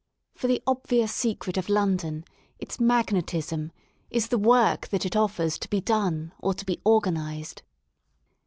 For the obvious secret of Lon don, its magnetism, is the work that it offers to be done or to be organised."